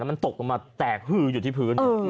แล้วมันตกลงมาแตกอยู่ที่พื้น